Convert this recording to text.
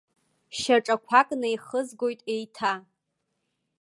Шьаҿақәак неихызгоит еиҭа.